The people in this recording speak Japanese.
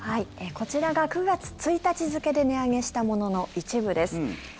こちらが９月１日付で値上げしたものの一部です。